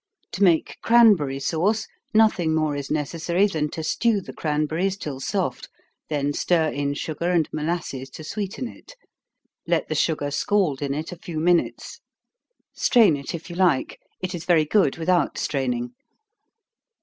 To make cranberry sauce, nothing more is necessary than to stew the cranberries till soft; then stir in sugar and molasses to sweeten it. Let the sugar scald in it a few minutes. Strain it if you like it is very good without straining.